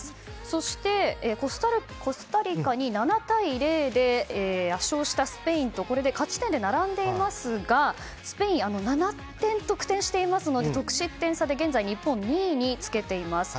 そして、コスタリカに７対０で圧勝したスペインとこれで勝ち点で並んでいますがスペイン、７点得点していますので得失点差で現在日本は２位につけています。